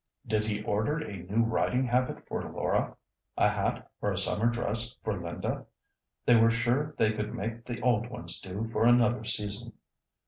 Did he order a new riding habit for Laura, a hat or a summer dress for Linda, they were sure they could make the old ones do for another season.